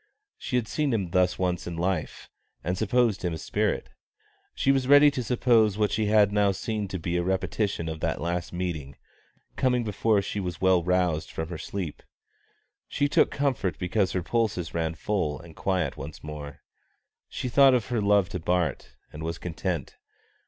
She had seen him thus once in life, and supposed him a spirit. She was ready to suppose what she had now seen to be a repetition of that last meeting, coming before she was well roused from her sleep. She took comfort because her pulses ran full and quiet once more. She thought of her love to Bart, and was content.